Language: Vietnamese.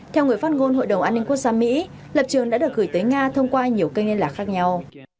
theo người phát ngôn hội đồng an ninh quốc gia mỹ lập trường đã được gửi tới nga thông qua nhiều kênh liên lạc khác nhau